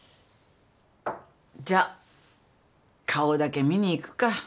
じゃ顔だけ見に行くか。